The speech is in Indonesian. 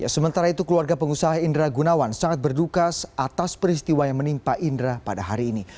sementara itu keluarga pengusaha indra gunawan sangat berduka atas peristiwa yang menimpa indra pada hari ini